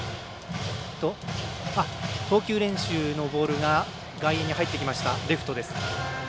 投球練習のボールが外野に入ってきました。